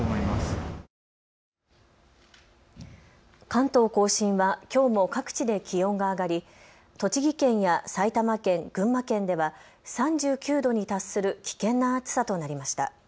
関東甲信はきょうも各地で気温が上がり栃木県や埼玉県、群馬県では３９度に達する危険な暑さとなりました。